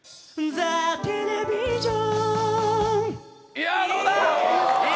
いや、どうだ！